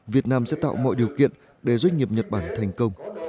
việt nam sẽ tạo mọi điều kiện để doanh nghiệp nhật bản thành công